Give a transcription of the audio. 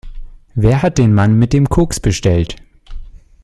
Wer hat den Mann mit dem Koks bestellt?